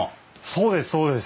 そうですそうです！